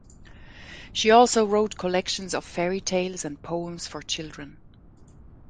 She also wrote collections of fairy tales and poems for children.